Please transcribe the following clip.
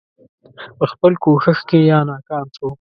په خپل کوښښ کې یا ناکام شو.